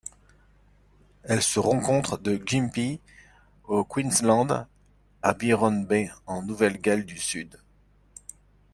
Elle se rencontre de Gympie au Queensland à Byron Bay en Nouvelle-Galles du Sud.